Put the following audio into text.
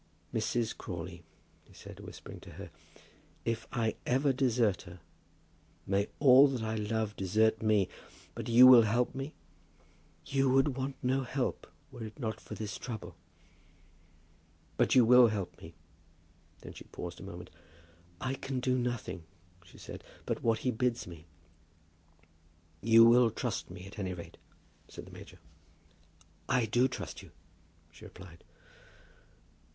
"Mrs. Crawley," he said, whispering to her, "if I ever desert her, may all that I love desert me! But you will help me?" "You would want no help, were it not for this trouble." "But you will help me?" Then she paused a moment. "I can do nothing," she said, "but what he bids me." "You will trust me, at any rate?" said the major. "I do trust you," she replied.